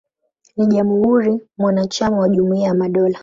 Ni jamhuri mwanachama wa Jumuiya ya Madola.